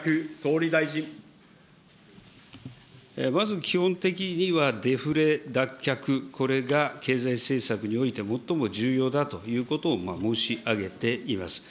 まず基本的にはデフレ脱却、これが経済政策において、最も重要だということを申し上げています。